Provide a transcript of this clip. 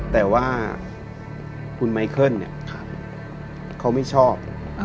แต่ว่าคุณไมเคิลเขาไม่ชอบ